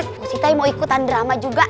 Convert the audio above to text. mpok siti mau ikutan drama juga